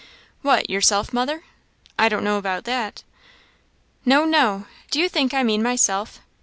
"What, yourself, mother? I don't know about that." "No, no; do you think I mean myself?